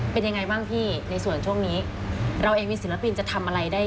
เป็นยังไงบ้างพี่ในส่วนช่วงนี้เราเองมีศิลปินจะทำอะไรได้